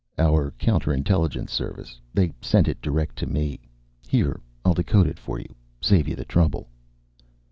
"Our counter intelligence service. They sent it direct to me. Here, I'll decode it for you. Save you the trouble."